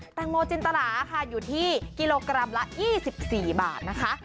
แตงโมจินตราค่ะอยู่ที่กิโลกรัมละ๒๔บาทนะคะ